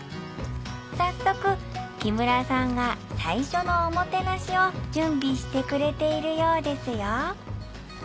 早速木村さんが最初のおもてなしを準備してくれているようですよ